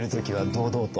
堂々と？